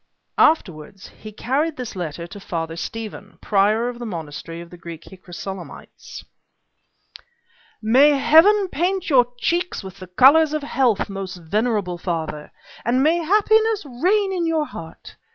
Afterwards he carried this letter to Father Stephen, prior to the monastery of the Greek Hicrosolymites: "May heaven paint your cheeks with the colors of health, most venerable father, and may happiness reign in your heart!